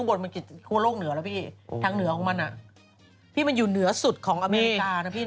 โอ้สวยมากรูปนี้